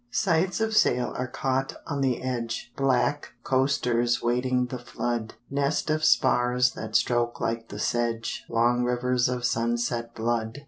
Sights of sail are caught on the edge Black coasters waiting the flood; Nest of spars that stroke like the sedge Long rivers of sunset blood.